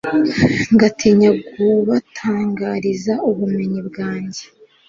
ngatinya kubatangariza ubumenyi bwanjye